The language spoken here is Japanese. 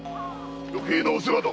余計なお世話だ！